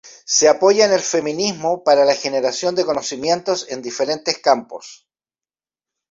Se apoya en el feminismo para la generación de conocimiento en diferentes campos.